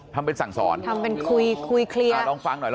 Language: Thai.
ทำเป็นสั่งสอนลองฟังหน่อย